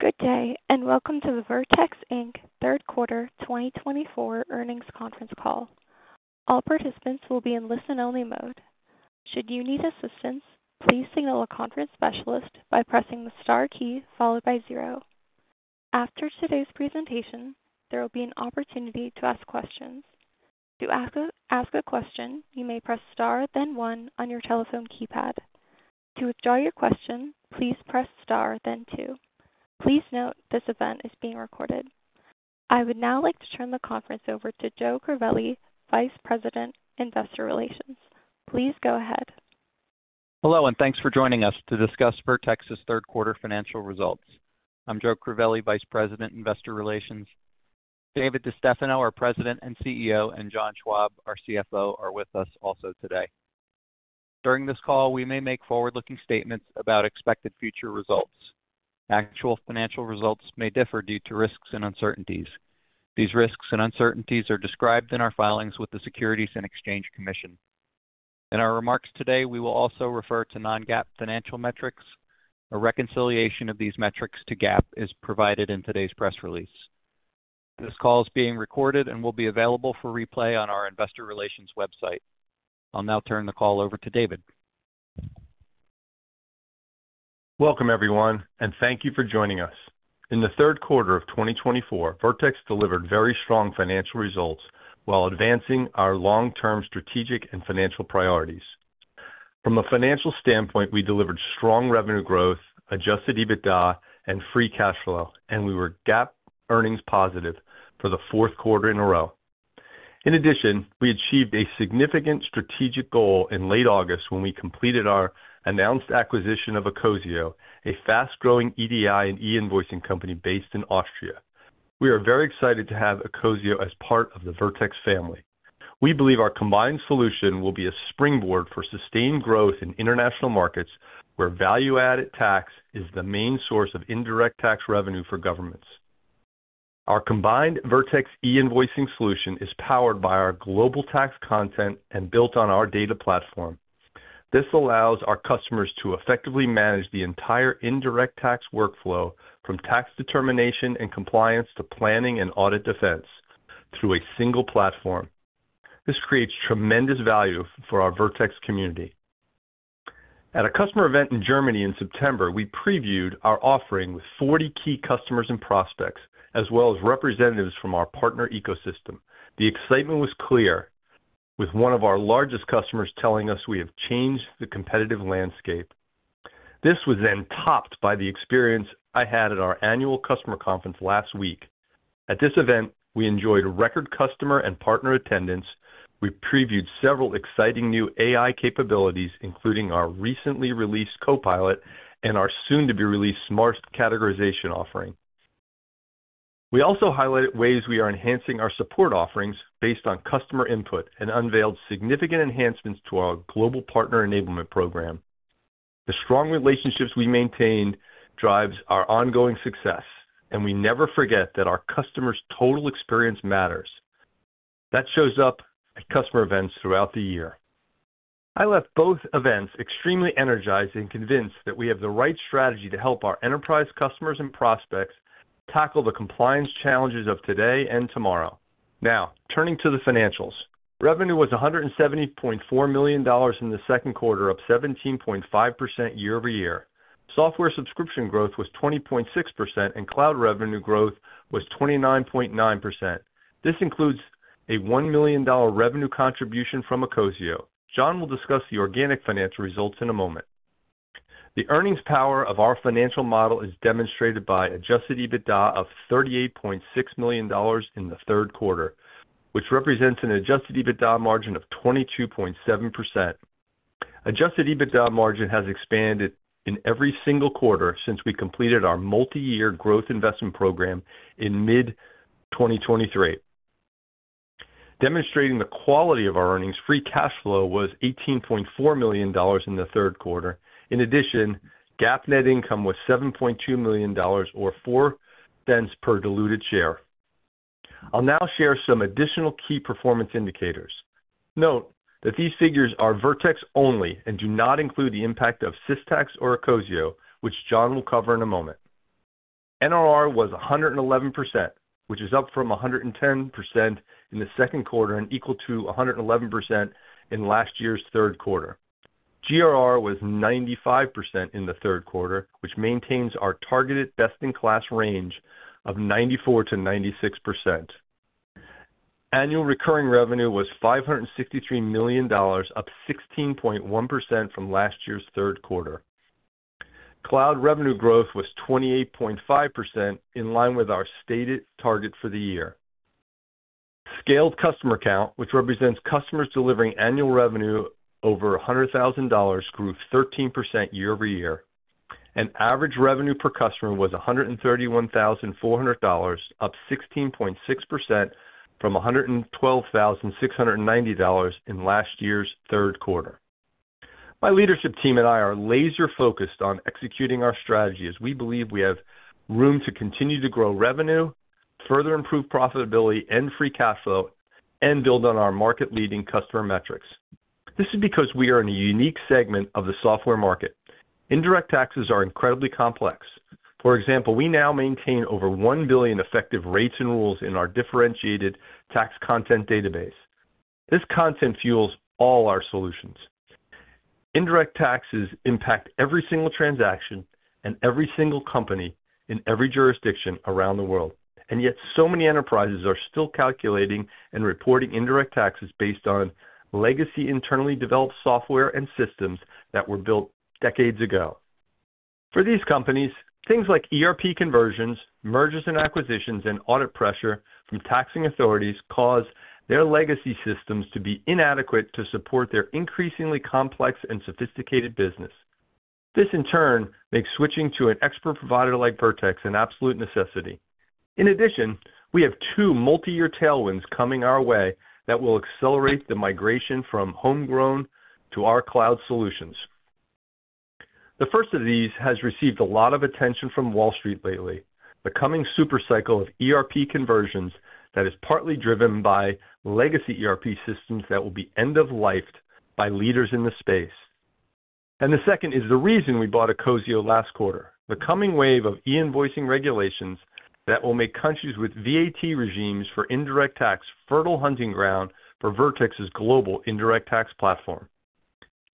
Good day, and welcome to the Vertex Inc. Third Quarter 2024 earnings conference call. All participants will be in listen-only mode. Should you need assistance, please signal a conference specialist by pressing the star key followed by zero. After today's presentation, there will be an opportunity to ask questions. To ask a question, you may press star, then one, on your telephone keypad. To withdraw your question, please press star, then two. Please note this event is being recorded. I would now like to turn the conference over to Joe Crivelli, Vice President, Investor Relations. Please go ahead. Hello, and thanks for joining us to discuss Vertex's third quarter financial results. I'm Joe Crivelli, Vice President, Investor Relations. David DeStefano, our President and CEO, and John Schwab, our CFO, are with us also today. During this call, we may make forward-looking statements about expected future results. Actual financial results may differ due to risks and uncertainties. These risks and uncertainties are described in our filings with the Securities and Exchange Commission. In our remarks today, we will also refer to non-GAAP financial metrics. A reconciliation of these metrics to GAAP is provided in today's press release. This call is being recorded and will be available for replay on our Investor Relations website. I'll now turn the call over to David. Welcome, everyone, and thank you for joining us. In the third quarter of 2024, Vertex delivered very strong financial results while advancing our long-term strategic and financial priorities. From a financial standpoint, we delivered strong revenue growth, Adjusted EBITDA, and Free Cash Flow, and we were GAAP earnings positive for the fourth quarter in a row. In addition, we achieved a significant strategic goal in late August when we completed our announced acquisition of Ecosio, a fast-growing EDI and e-invoicing company based in Austria. We are very excited to have Ecosio as part of the Vertex family. We believe our combined solution will be a springboard for sustained growth in international markets where value-added tax is the main source of indirect tax revenue for governments. Our combined Vertex e-Invoicing solution is powered by our global tax content and built on our data platform. This allows our customers to effectively manage the entire indirect tax workflow, from tax determination and compliance to planning and audit defense, through a single platform. This creates tremendous value for our Vertex community. At a customer event in Germany in September, we previewed our offering with 40 key customers and prospects, as well as representatives from our partner ecosystem. The excitement was clear, with one of our largest customers telling us we have changed the competitive landscape. This was then topped by the experience I had at our annual customer conference last week. At this event, we enjoyed record customer and partner attendance. We previewed several exciting new AI capabilities, including our recently released Copilot and our soon-to-be-released Smart Categorization offering. We also highlighted ways we are enhancing our support offerings based on customer input and unveiled significant enhancements to our global partner enablement program. The strong relationships we maintain drive our ongoing success, and we never forget that our customers' total experience matters. That shows up at customer events throughout the year. I left both events extremely energized and convinced that we have the right strategy to help our enterprise customers and prospects tackle the compliance challenges of today and tomorrow. Now, turning to the financials, revenue was $170.4 million in the second quarter, up 17.5% year-over-year. Software subscription growth was 20.6%, and cloud revenue growth was 29.9%. This includes a $1 million revenue contribution from Ecosio. John will discuss the organic financial results in a moment. The earnings power of our financial model is demonstrated by Adjusted EBITDA of $38.6 million in the third quarter, which represents an Adjusted EBITDA margin of 22.7%. Adjusted EBITDA margin has expanded in every single quarter since we completed our multi-year growth investment program in mid-2023. Demonstrating the quality of our earnings, free cash flow was $18.4 million in the third quarter. In addition, GAAP net income was $7.2 million, or four cents per diluted share. I'll now share some additional key performance indicators. Note that these figures are Vertex only and do not include the impact of Systax or Ecosio, which John will cover in a moment. NRR was 111%, which is up from 110% in the second quarter and equal to 111% in last year's third quarter. GRR was 95% in the third quarter, which maintains our targeted best-in-class range of 94%-96%. Annual recurring revenue was $563 million, up 16.1% from last year's third quarter. Cloud revenue growth was 28.5%, in line with our stated target for the year. Scaled customer count, which represents customers delivering annual revenue over $100,000, grew 13% year-over-year, and average revenue per customer was $131,400, up 16.6% from $112,690 in last year's third quarter. My leadership team and I are laser-focused on executing our strategy as we believe we have room to continue to grow revenue, further improve profitability and free cash flow, and build on our market-leading customer metrics. This is because we are in a unique segment of the software market. Indirect taxes are incredibly complex. For example, we now maintain over 1 billion effective rates and rules in our differentiated tax content database. This content fuels all our solutions. Indirect taxes impact every single transaction and every single company in every jurisdiction around the world. And yet, so many enterprises are still calculating and reporting indirect taxes based on legacy internally developed software and systems that were built decades ago. For these companies, things like ERP conversions, mergers and acquisitions, and audit pressure from taxing authorities cause their legacy systems to be inadequate to support their increasingly complex and sophisticated business. This, in turn, makes switching to an expert provider like Vertex an absolute necessity. In addition, we have two multi-year tailwinds coming our way that will accelerate the migration from homegrown to our cloud solutions. The first of these has received a lot of attention from Wall Street lately: the coming supercycle of ERP conversions that is partly driven by legacy ERP systems that will be end-of-life by leaders in the space. And the second is the reason we bought Ecosio last quarter: the coming wave of e-invoicing regulations that will make countries with VAT regimes for indirect tax fertile hunting ground for Vertex's global indirect tax platform.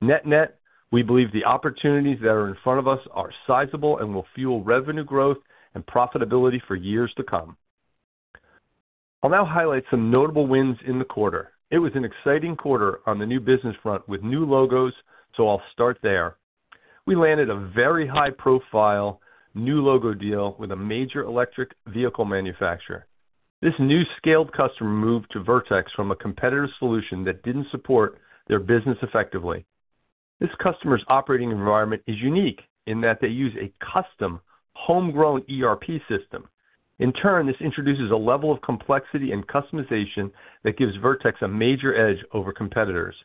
Net-net, we believe the opportunities that are in front of us are sizable and will fuel revenue growth and profitability for years to come. I'll now highlight some notable wins in the quarter. It was an exciting quarter on the new business front with new logos, so I'll start there. We landed a very high-profile new logo deal with a major electric vehicle manufacturer. This new scaled customer moved to Vertex from a competitive solution that didn't support their business effectively. This customer's operating environment is unique in that they use a custom homegrown ERP system. In turn, this introduces a level of complexity and customization that gives Vertex a major edge over competitors.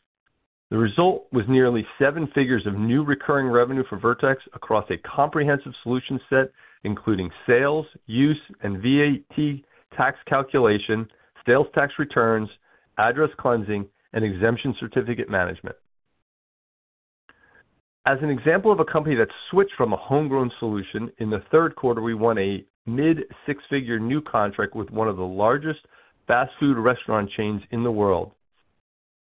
The result was nearly seven figures of new recurring revenue for Vertex across a comprehensive solution set, including sales, use, and VAT tax calculation, sales tax returns, address cleansing, and exemption certificate management. As an example of a company that switched from a homegrown solution, in the third quarter, we won a mid-six-figure new contract with one of the largest fast food restaurant chains in the world.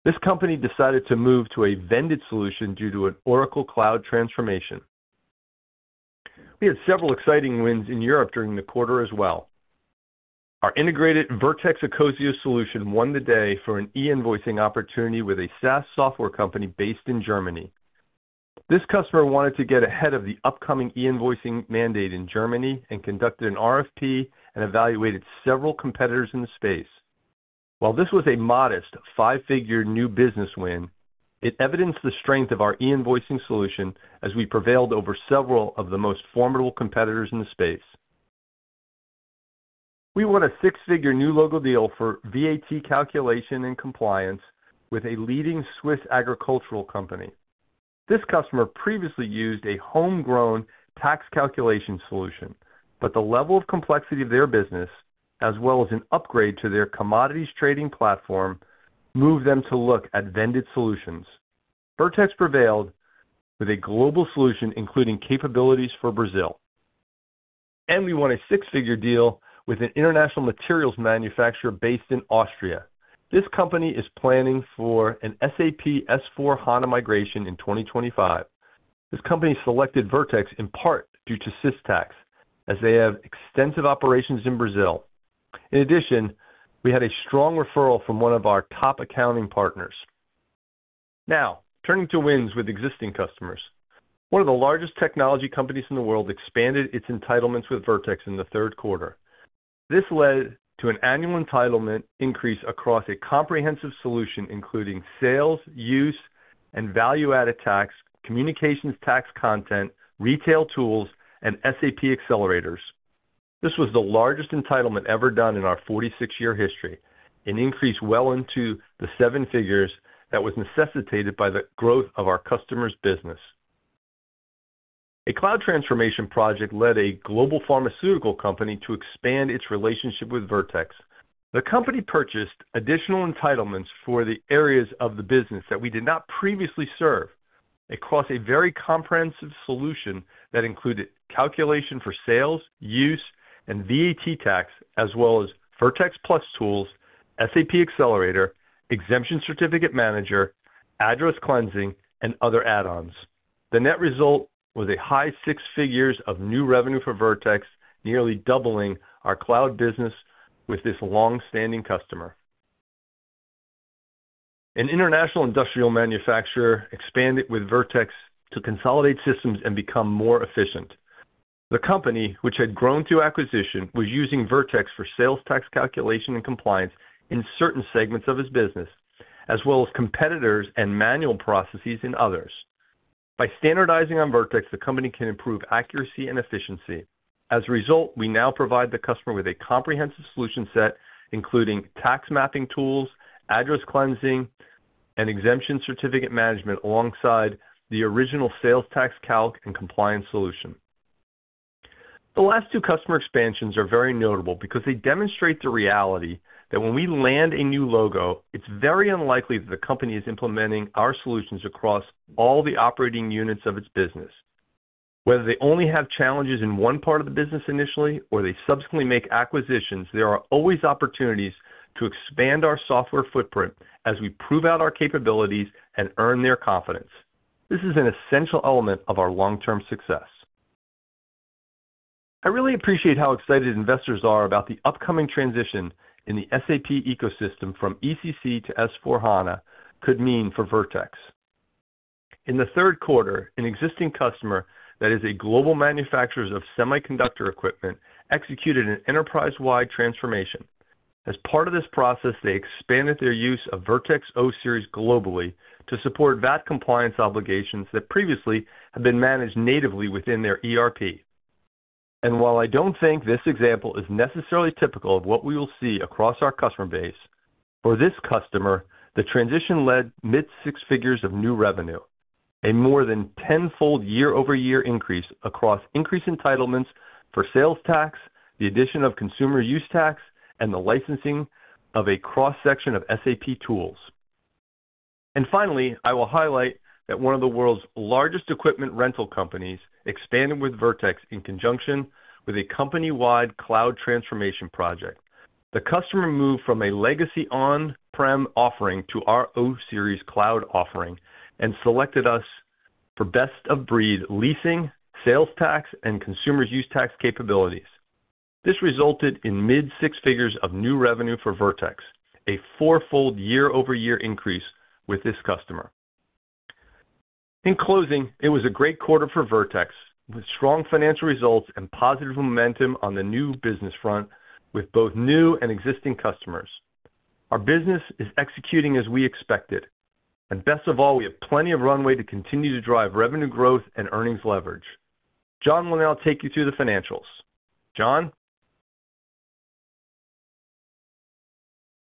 This company decided to move to a vended solution due to an Oracle Cloud transformation. We had several exciting wins in Europe during the quarter as well. Our integrated Vertex Ecosio solution won the day for an e-invoicing opportunity with a SaaS software company based in Germany. This customer wanted to get ahead of the upcoming e-invoicing mandate in Germany and conducted an RFP and evaluated several competitors in the space. While this was a modest five-figure new business win, it evidenced the strength of our e-invoicing solution as we prevailed over several of the most formidable competitors in the space. We won a six-figure new logo deal for VAT calculation and compliance with a leading Swiss agricultural company. This customer previously used a homegrown tax calculation solution, but the level of complexity of their business, as well as an upgrade to their commodities trading platform, moved them to look at vended solutions. Vertex prevailed with a global solution including capabilities for Brazil, and we won a six-figure deal with an international materials manufacturer based in Austria. This company is planning for an SAP S/4HANA migration in 2025. This company selected Vertex in part due to Systax, as they have extensive operations in Brazil. In addition, we had a strong referral from one of our top accounting partners. Now, turning to wins with existing customers. One of the largest technology companies in the world expanded its entitlements with Vertex in the third quarter. This led to an annual entitlement increase across a comprehensive solution including sales, use, and value-added tax, communications tax content, retail tools, and SAP accelerators. This was the largest entitlement ever done in our 46-year history, an increase well into the seven figures that was necessitated by the growth of our customer's business. A cloud transformation project led a global pharmaceutical company to expand its relationship with Vertex. The company purchased additional entitlements for the areas of the business that we did not previously serve across a very comprehensive solution that included calculation for sales, use, and VAT tax, as well as Vertex Plus tools, SAP accelerator, exemption certificate manager, address cleansing, and other add-ons. The net result was a high six figures of new revenue for Vertex, nearly doubling our cloud business with this long-standing customer. An international industrial manufacturer expanded with Vertex to consolidate systems and become more efficient. The company, which had grown through acquisition, was using Vertex for sales tax calculation and compliance in certain segments of its business, as well as competitors and manual processes in others. By standardizing on Vertex, the company can improve accuracy and efficiency. As a result, we now provide the customer with a comprehensive solution set, including tax mapping tools, Address Cleansing, and exemption certificate management alongside the original sales tax calc and compliance solution. The last two customer expansions are very notable because they demonstrate the reality that when we land a new logo, it's very unlikely that the company is implementing our solutions across all the operating units of its business. Whether they only have challenges in one part of the business initially or they subsequently make acquisitions, there are always opportunities to expand our software footprint as we prove out our capabilities and earn their confidence. This is an essential element of our long-term success. I really appreciate how excited investors are about the upcoming transition in the SAP ecosystem from ECC to S/4HANA could mean for Vertex. In the third quarter, an existing customer that is a global manufacturer of semiconductor equipment executed an enterprise-wide transformation. As part of this process, they expanded their use of Vertex O-Series globally to support VAT compliance obligations that previously had been managed natively within their ERP. While I don't think this example is necessarily typical of what we will see across our customer base, for this customer, the transition led mid-six figures of new revenue, a more than tenfold year-over-year increase across increased entitlements for sales tax, the addition of consumer use tax, and the licensing of a cross-section of SAP tools. Finally, I will highlight that one of the world's largest equipment rental companies expanded with Vertex in conjunction with a company-wide cloud transformation project. The customer moved from a legacy on-prem offering to our O-Series cloud offering and selected us for best-of-breed leasing, sales tax, and consumer use tax capabilities. This resulted in mid-six figures of new revenue for Vertex, a fourfold year-over-year increase with this customer. In closing, it was a great quarter for Vertex with strong financial results and positive momentum on the new business front with both new and existing customers. Our business is executing as we expected, and best of all, we have plenty of runway to continue to drive revenue growth and earnings leverage. John will now take you through the financials. John?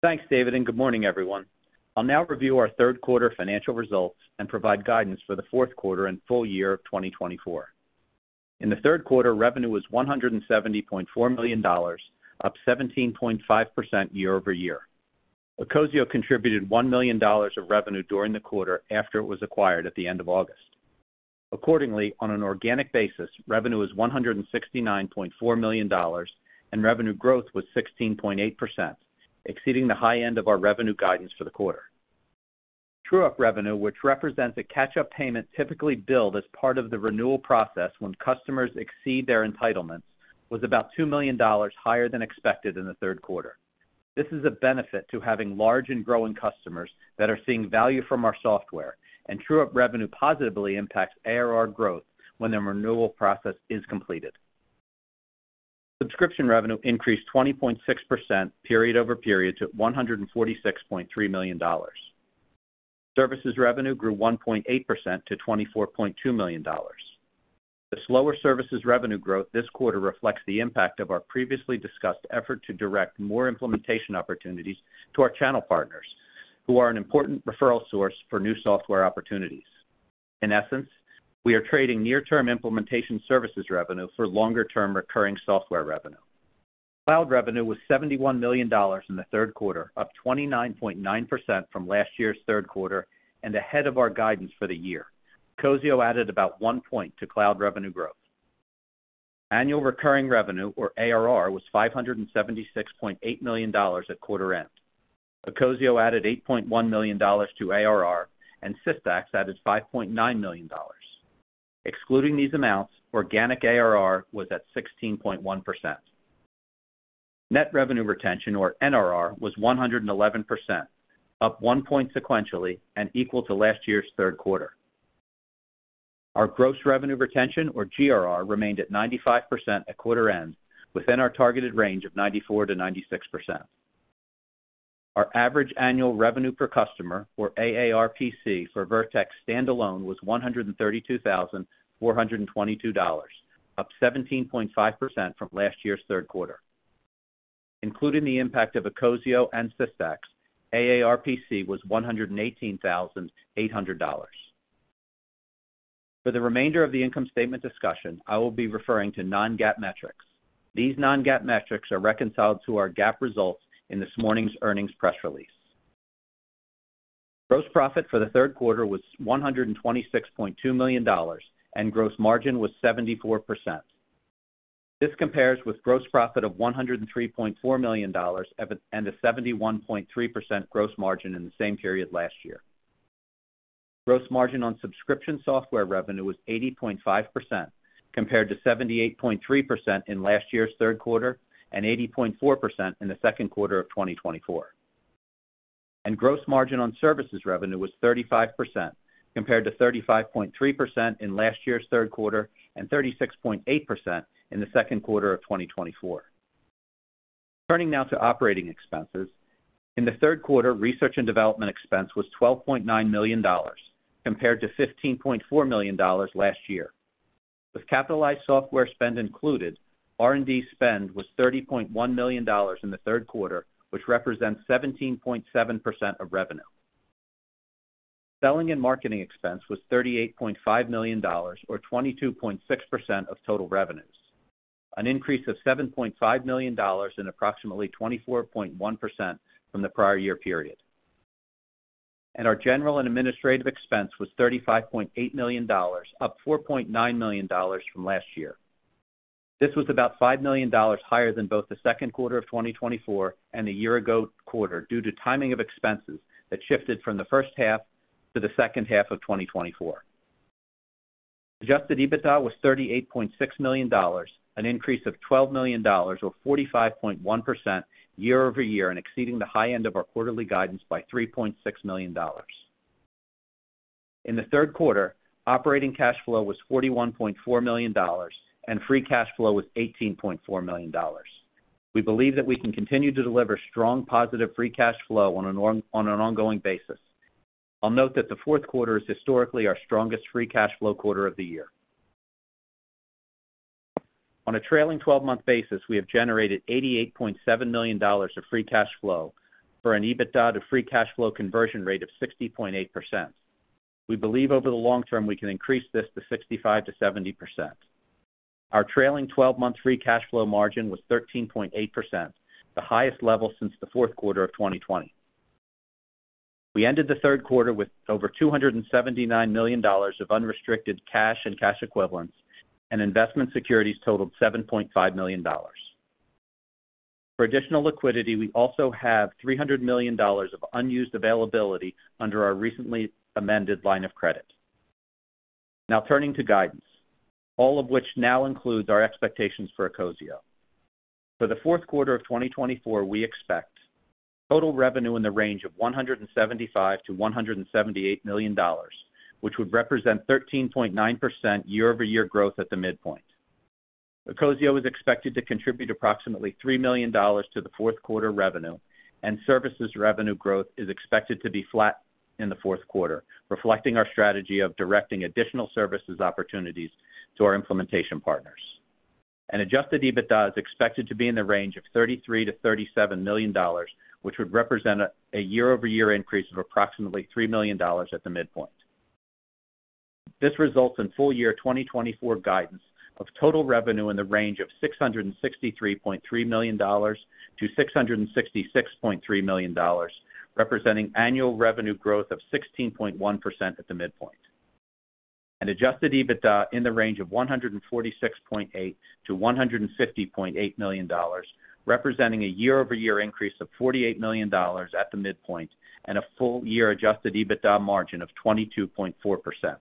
Thanks, David, and good morning, everyone. I'll now review our third quarter financial results and provide guidance for the fourth quarter and full year of 2024. In the third quarter, revenue was $170.4 million, up 17.5% year-over-year. Ecosio contributed $1 million of revenue during the quarter after it was acquired at the end of August. Accordingly, on an organic basis, revenue was $169.4 million, and revenue growth was 16.8%, exceeding the high end of our revenue guidance for the quarter. True-up revenue, which represents a catch-up payment typically billed as part of the renewal process when customers exceed their entitlements, was about $2 million higher than expected in the third quarter. This is a benefit to having large and growing customers that are seeing value from our software, and true-up revenue positively impacts ARR growth when the renewal process is completed. Subscription revenue increased 20.6% period-over-period to $146.3 million. Services revenue grew 1.8% to $24.2 million. The slower services revenue growth this quarter reflects the impact of our previously discussed effort to direct more implementation opportunities to our channel partners, who are an important referral source for new software opportunities. In essence, we are trading near-term implementation services revenue for longer-term recurring software revenue. Cloud revenue was $71 million in the third quarter, up 29.9% from last year's third quarter and ahead of our guidance for the year. Ecosio added about one point to cloud revenue growth. Annual recurring revenue, or ARR, was $576.8 million at quarter end. Ecosio added $8.1 million to ARR, and Systax added $5.9 million. Excluding these amounts, organic ARR was at 16.1%. Net revenue retention, or NRR, was 111%, up one point sequentially and equal to last year's third quarter. Our gross revenue retention, or GRR, remained at 95% at quarter end, within our targeted range of 94%-96%. Our average annual revenue per customer, or AARPC, for Vertex standalone was $132,422, up 17.5% from last year's third quarter. Including the impact of Ecosio and Systax, AARPC was $118,800. For the remainder of the income statement discussion, I will be referring to non-GAAP metrics. These non-GAAP metrics are reconciled to our GAAP results in this morning's earnings press release. Gross profit for the third quarter was $126.2 million, and gross margin was 74%. This compares with gross profit of $103.4 million and a 71.3% gross margin in the same period last year. Gross margin on subscription software revenue was 80.5%, compared to 78.3% in last year's third quarter and 80.4% in the second quarter of 2024. Gross margin on services revenue was 35%, compared to 35.3% in last year's third quarter and 36.8% in the second quarter of 2024. Turning now to operating expenses. In the third quarter, research and development expense was $12.9 million, compared to $15.4 million last year. With capitalized software spend included, R&D spend was $30.1 million in the third quarter, which represents 17.7% of revenue. Selling and marketing expense was $38.5 million, or 22.6% of total revenues, an increase of $7.5 million and approximately 24.1% from the prior year period. Our general and administrative expense was $35.8 million, up $4.9 million from last year. This was about $5 million higher than both the second quarter of 2024 and the year-ago quarter due to timing of expenses that shifted from the first half to the second half of 2024. Adjusted EBITDA was $38.6 million, an increase of $12 million, or 45.1% year-over-year and exceeding the high end of our quarterly guidance by $3.6 million. In the third quarter, operating cash flow was $41.4 million, and free cash flow was $18.4 million. We believe that we can continue to deliver strong positive free cash flow on an ongoing basis. I'll note that the fourth quarter is historically our strongest free cash flow quarter of the year. On a trailing 12-month basis, we have generated $88.7 million of free cash flow for an EBITDA to free cash flow conversion rate of 60.8%. We believe over the long term, we can increase this to 65%-70%. Our trailing 12-month free cash flow margin was 13.8%, the highest level since the fourth quarter of 2020. We ended the third quarter with over $279 million of unrestricted cash and cash equivalents, and investment securities totaled $7.5 million. For additional liquidity, we also have $300 million of unused availability under our recently amended line of credit. Now turning to guidance, all of which now includes our expectations for Ecosio. For the fourth quarter of 2024, we expect total revenue in the range of $175-$178 million, which would represent 13.9% year-over-year growth at the midpoint. Ecosio is expected to contribute approximately $3 million to the fourth quarter revenue, and services revenue growth is expected to be flat in the fourth quarter, reflecting our strategy of directing additional services opportunities to our implementation partners. Adjusted EBITDA is expected to be in the range of $33-$37 million, which would represent a year-over-year increase of approximately $3 million at the midpoint. This results in full year 2024 guidance of total revenue in the range of $663.3-$666.3 million, representing annual revenue growth of 16.1% at the midpoint. Adjusted EBITDA in the range of $146.8-$150.8 million, representing a year-over-year increase of $48 million at the midpoint and a full year Adjusted EBITDA margin of 22.4%.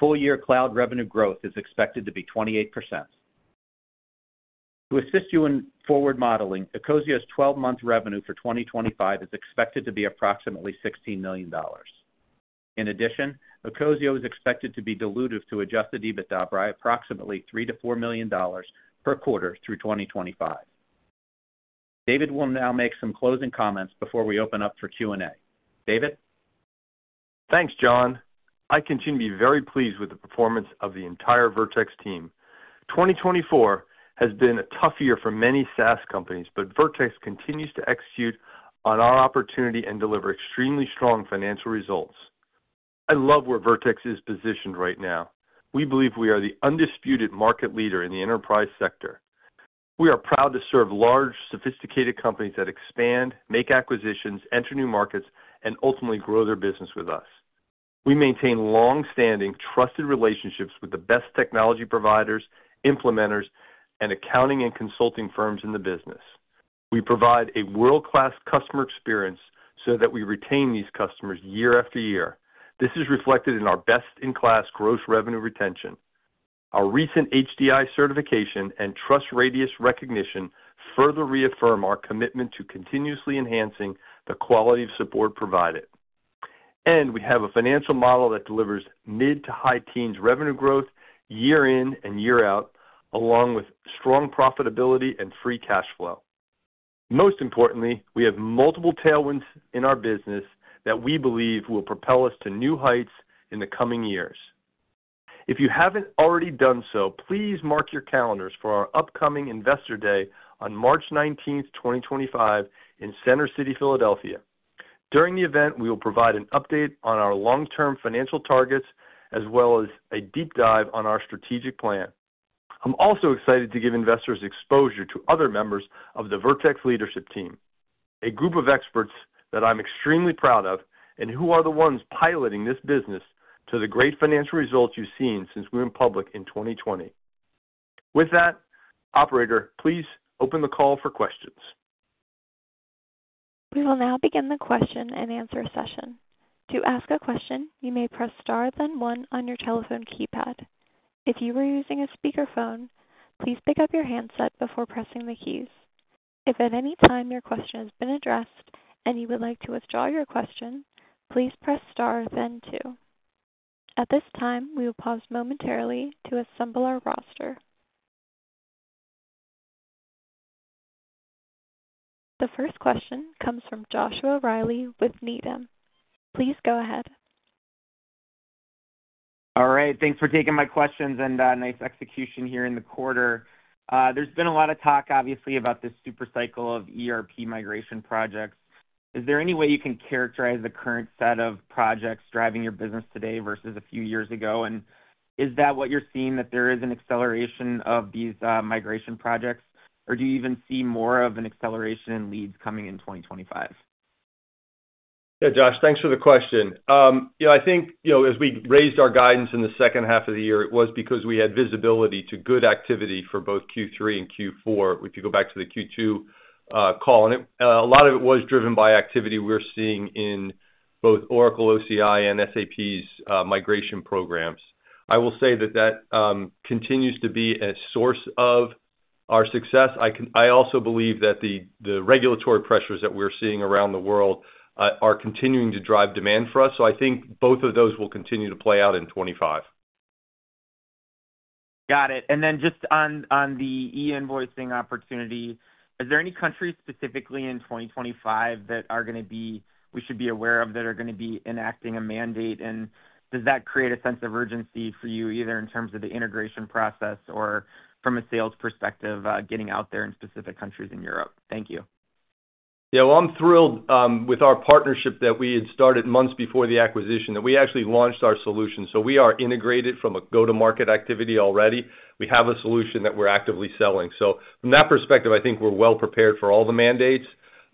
Full year cloud revenue growth is expected to be 28%. To assist you in forward modeling, Ecosio's 12-month revenue for 2025 is expected to be approximately $16 million. In addition, Ecosio is expected to be diluted to Adjusted EBITDA by approximately $3-$4 million per quarter through 2025. David will now make some closing comments before we open up for Q&A. David? Thanks, John. I continue to be very pleased with the performance of the entire Vertex team. 2024 has been a tough year for many SaaS companies, but Vertex continues to execute on our opportunity and deliver extremely strong financial results. I love where Vertex is positioned right now. We believe we are the undisputed market leader in the enterprise sector. We are proud to serve large, sophisticated companies that expand, make acquisitions, enter new markets, and ultimately grow their business with us. We maintain long-standing, trusted relationships with the best technology providers, implementers, and accounting and consulting firms in the business. We provide a world-class customer experience so that we retain these customers year after year. This is reflected in our best-in-class gross revenue retention. Our recent HDI certification and TrustRadius recognition further reaffirm our commitment to continuously enhancing the quality of support provided. We have a financial model that delivers mid-to-high teens revenue growth year in and year out, along with strong profitability and free cash flow. Most importantly, we have multiple tailwinds in our business that we believe will propel us to new heights in the coming years. If you haven't already done so, please mark your calendars for our upcoming Investor Day on March 19, 2025, in Center City, Philadelphia. During the event, we will provide an update on our long-term financial targets as well as a deep dive on our strategic plan. I'm also excited to give investors exposure to other members of the Vertex leadership team, a group of experts that I'm extremely proud of and who are the ones piloting this business to the great financial results you've seen since we went public in 2020. With that, Operator, please open the call for questions. We will now begin the question and answer session. To ask a question, you may press star then one on your telephone keypad. If you are using a speakerphone, please pick up your handset before pressing the keys. If at any time your question has been addressed and you would like to withdraw your question, please press star then two. At this time, we will pause momentarily to assemble our roster. The first question comes from Joshua Reilly with Needham. Please go ahead. All right. Thanks for taking my questions and nice execution here in the quarter. There's been a lot of talk, obviously, about this supercycle of ERP migration projects. Is there any way you can characterize the current set of projects driving your business today versus a few years ago? Is that what you're seeing, that there is an acceleration of these migration projects, or do you even see more of an acceleration in leads coming in 2025? Yeah, Josh, thanks for the question. I think as we raised our guidance in the second half of the year, it was because we had visibility to good activity for both Q3 and Q4. If you go back to the Q2 call, a lot of it was driven by activity we're seeing in both Oracle, OCI, and SAP's migration programs. I will say that that continues to be a source of our success. I also believe that the regulatory pressures that we're seeing around the world are continuing to drive demand for us. So I think both of those will continue to play out in 2025. Got it. And then just on the e-invoicing opportunity, is there any country specifically in 2025 that we should be aware of that are going to be enacting a mandate? And does that create a sense of urgency for you, either in terms of the integration process or from a sales perspective, getting out there in specific countries in Europe? Thank you. Yeah, well, I'm thrilled with our partnership that we had started months before the acquisition, that we actually launched our solution. So we are integrated from a go-to-market activity already. We have a solution that we're actively selling. So from that perspective, I think we're well prepared for all the mandates.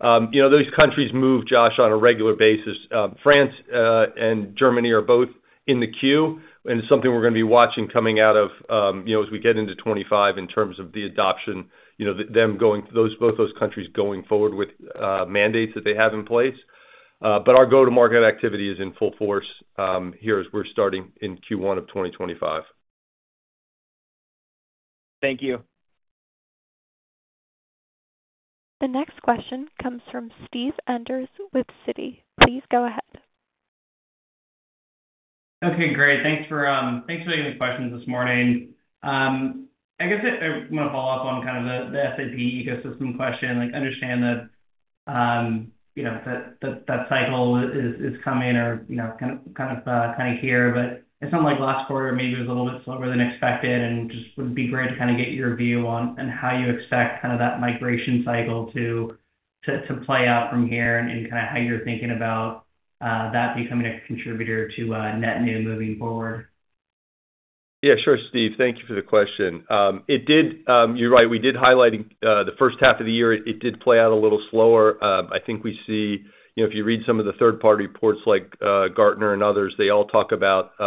Those countries move, Josh, on a regular basis. France and Germany are both in the queue, and it's something we're going to be watching coming out of as we get into 2025 in terms of the adoption, both those countries going forward with mandates that they have in place. But our go-to-market activity is in full force here as we're starting in Q1 of 2025. Thank you. The next question comes from Steven Enders with Citi. Please go ahead. Okay, great. Thanks for taking the questions this morning. I guess I want to follow up on kind of the SAP ecosystem question. I understand that that cycle is coming or kind of here, but it sounds like last quarter maybe was a little bit slower than expected. Just would be great to kind of get your view on how you expect kind of that migration cycle to play out from here and kind of how you're thinking about that becoming a contributor to net new moving forward. Yeah, sure, Steve. Thank you for the question. You're right. We did highlight in the first half of the year. It did play out a little slower. I think we see if you read some of the third-party reports like Gartner and others, they all talk about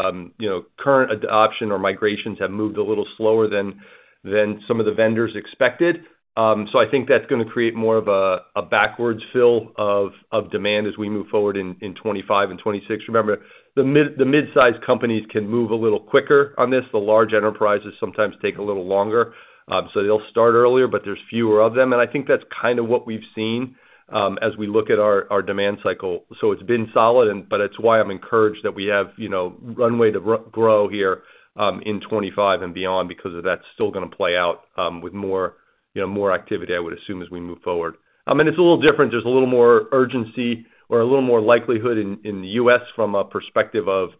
current adoption or migrations have moved a little slower than some of the vendors expected. So I think that's going to create more of a backwards fill of demand as we move forward in 2025 and 2026. Remember, the mid-size companies can move a little quicker on this. The large enterprises sometimes take a little longer. So they'll start earlier, but there's fewer of them. And I think that's kind of what we've seen as we look at our demand cycle. It's been solid, but it's why I'm encouraged that we have runway to grow here in 2025 and beyond because that's still going to play out with more activity, I would assume, as we move forward. I mean, it's a little different. There's a little more urgency or a little more likelihood in the U.S. from a perspective of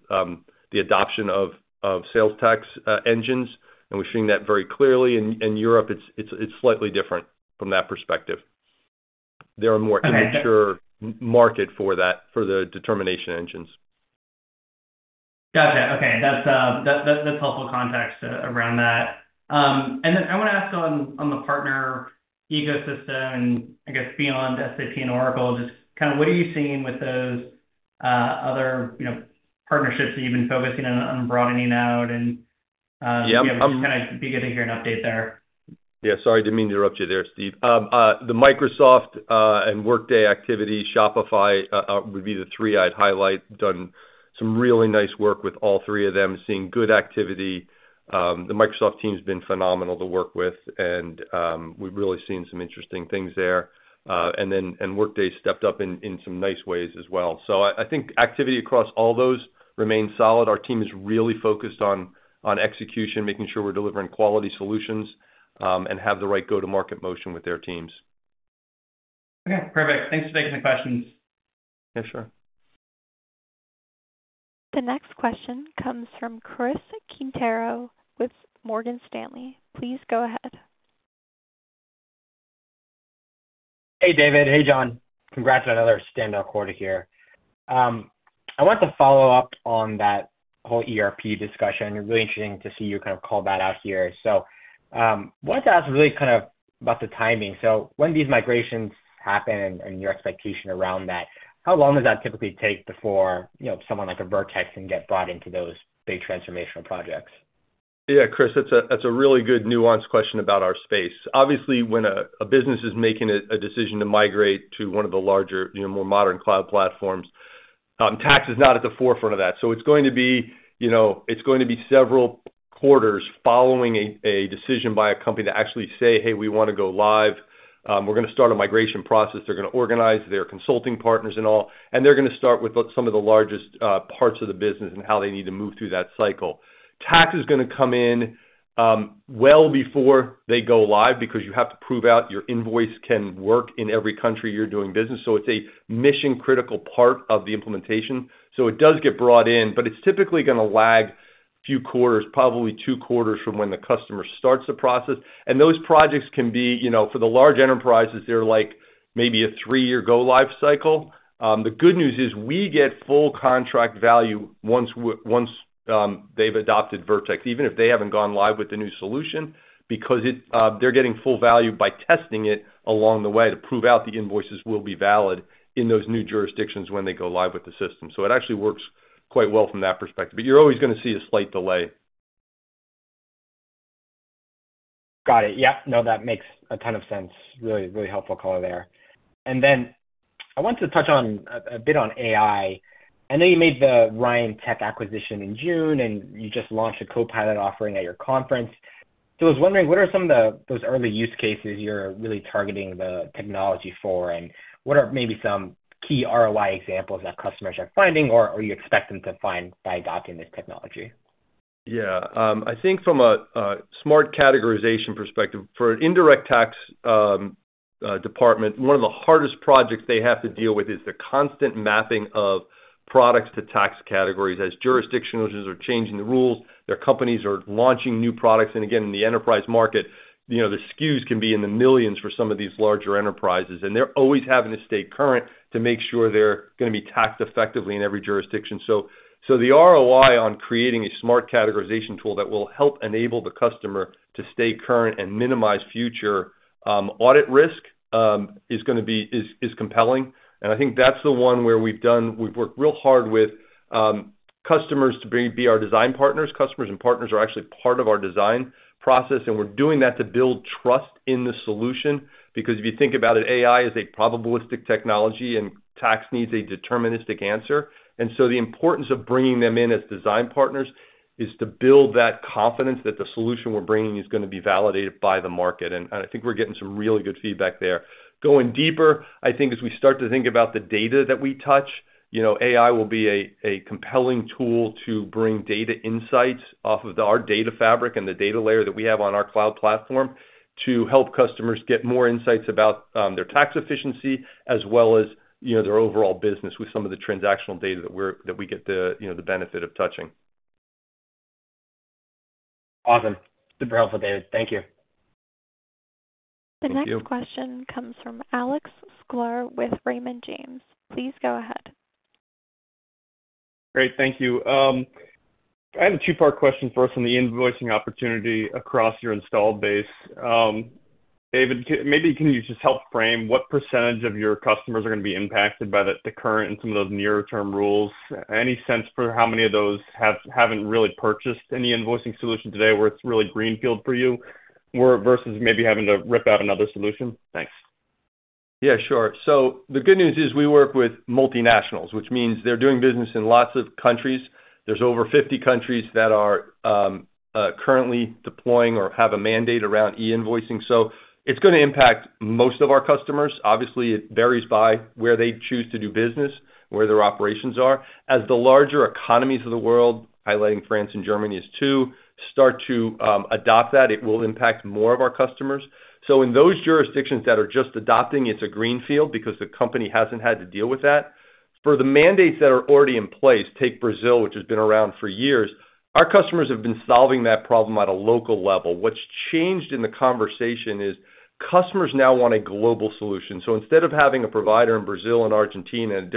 the adoption of sales tax engines. And we're seeing that very clearly. In Europe, it's slightly different from that perspective. There are more immature markets for the determination engines. Gotcha. Okay. That's helpful context around that. Then I want to ask on the partner ecosystem, I guess, beyond SAP and Oracle, just kind of what are you seeing with those other partnerships that you've been focusing on broadening out? And yeah, we'll just kind of be good to hear an update there. Yeah. Sorry to interrupt you there, Steve. The Microsoft and Workday activity, Shopify would be the three I'd highlight. Done some really nice work with all three of them, seeing good activity. The Microsoft team has been phenomenal to work with, and we've really seen some interesting things there. And then Workday stepped up in some nice ways as well. So I think activity across all those remains solid. Our team is really focused on execution, making sure we're delivering quality solutions and have the right go-to-market motion with their teams. Okay. Perfect. Thanks for taking the questions. Yeah, sure. The next question comes from Chris Quintero with Morgan Stanley. Please go ahead. Hey, David. Hey, John. Congrats on another standout quarter here. I want to follow up on that whole ERP discussion. Really interesting to see you kind of call that out here. So I wanted to ask really kind of about the timing. So when these migrations happen and your expectation around that, how long does that typically take before someone like a Vertex can get brought into those big transformational projects? Yeah, Chris, that's a really good nuanced question about our space. Obviously, when a business is making a decision to migrate to one of the larger, more modern cloud platforms, tax is not at the forefront of that. So it's going to be several quarters following a decision by a company to actually say, "Hey, we want to go live. We're going to start a migration process." They're going to organize their consulting partners and all, and they're going to start with some of the largest parts of the business and how they need to move through that cycle. Tax is going to come in well before they go live because you have to prove out your invoice can work in every country you're doing business, so it's a mission-critical part of the implementation, so it does get brought in, but it's typically going to lag a few quarters, probably two quarters from when the customer starts the process, and those projects can be, for the large enterprises, they're like maybe a three-year go-live cycle. The good news is we get full contract value once they've adopted Vertex, even if they haven't gone live with the new solution, because they're getting full value by testing it along the way to prove out the invoices will be valid in those new jurisdictions when they go live with the system. So it actually works quite well from that perspective. But you're always going to see a slight delay. Got it. Yeah. No, that makes a ton of sense. Really, really helpful color there. And then I want to touch a bit on AI. I know you made the Ryan acquisition in June, and you just launched a Copilot offering at your conference. So I was wondering, what are some of those early use cases you're really targeting the technology for, and what are maybe some key ROI examples that customers are finding, or you expect them to find by adopting this technology? Yeah. I think from a Smart Categorization perspective, for an Indirect Tax department, one of the hardest projects they have to deal with is the constant mapping of products to tax categories. As jurisdictions are changing the rules, their companies are launching new products. And again, in the enterprise market, the SKUs can be in the millions for some of these larger enterprises. And they're always having to stay current to make sure they're going to be taxed effectively in every jurisdiction. So the ROI on creating a Smart Categorization tool that will help enable the customer to stay current and minimize future audit risk is going to be compelling. And I think that's the one where we've worked real hard with customers to be our design partners. Customers and partners are actually part of our design process. And we're doing that to build trust in the solution. Because if you think about it, AI is a probabilistic technology, and tax needs a deterministic answer. And so the importance of bringing them in as design partners is to build that confidence that the solution we're bringing is going to be validated by the market. And I think we're getting some really good feedback there. Going deeper, I think as we start to think about the data that we touch, AI will be a compelling tool to bring data insights off of our data fabric and the data layer that we have on our cloud platform to help customers get more insights about their tax efficiency as well as their overall business with some of the transactional data that we get the benefit of touching. Awesome. Super helpful, David. Thank you. The next question comes from Alex Sklar with Raymond James. Please go ahead. Great. Thank you. I have a two-part question first on the invoicing opportunity across your installed base. David, maybe can you just help frame what percentage of your customers are going to be impacted by the current and some of those near-term rules? Any sense for how many of those haven't really purchased any invoicing solution today where it's really greenfield for you versus maybe having to rip out another solution? Thanks. Yeah, sure. So the good news is we work with multinationals, which means they're doing business in lots of countries. There's over 50 countries that are currently deploying or have a mandate around e-invoicing. So it's going to impact most of our customers. Obviously, it varies by where they choose to do business, where their operations are. As the larger economies of the world, highlighting France and Germany as two, start to adopt that, it will impact more of our customers. So in those jurisdictions that are just adopting, it's a greenfield because the company hasn't had to deal with that. For the mandates that are already in place, take Brazil, which has been around for years. Our customers have been solving that problem at a local level. What's changed in the conversation is customers now want a global solution. So instead of having a provider in Brazil and Argentina and